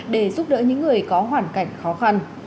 để giúp đỡ những người có hoàn cảnh khó khăn